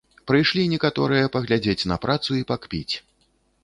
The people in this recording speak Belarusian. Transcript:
Прышлі некаторыя паглядзець на працу і пакпіць.